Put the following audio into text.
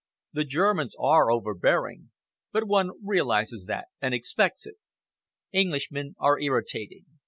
The Germans are overbearing, but one realises that and expects it. Englishmen are irritating.